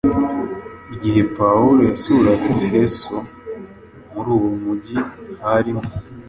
Igihe Pawulo yasuraga Efeso, muri uwo mujyi harimo